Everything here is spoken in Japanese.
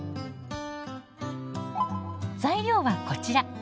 材料はこちら。